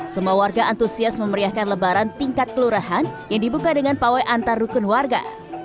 semua warga antusias memeriahkan lebaran tingkat kelurahan yang dibuka dengan pawai antar rukun warga